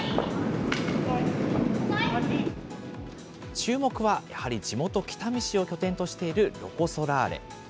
注目はやはり地元、北見市を拠点としているロコ・ソラーレ。